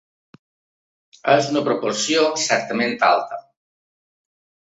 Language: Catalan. És una proporció certament alta.